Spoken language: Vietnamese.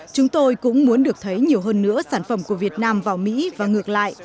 chúng tôi cũng muốn được thấy nhiều hơn nữa sản phẩm của việt nam vào mỹ và ngược lại